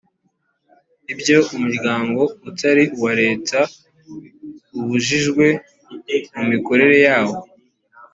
ibyo umuryango utari uwa leta ubujijwe mu mikorere yawo